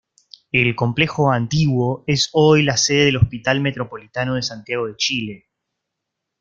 El complejo antiguo es hoy la sede del Hospital Metropolitano de Santiago de Chile.